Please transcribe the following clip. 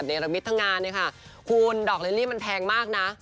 ในระมิตทั้งงานเนี่ยค่ะคุณดอกเลลี่มันแพงมากนะ